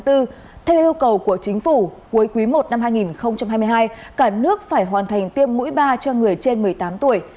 theo yêu cầu của chính phủ cuối quý i năm hai nghìn hai mươi hai cả nước phải hoàn thành tiêm mũi ba cho người trên một mươi tám tuổi